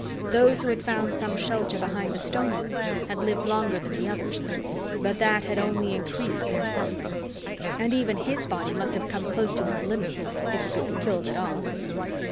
Those who had found some shelter behind the stonework had lived longer than the others, but that had only increased their suffering. And even his body must have been close to its limits, if it could be killed at all.